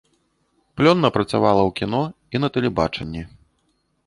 Плённа працавала ў кіно і на тэлебачанні.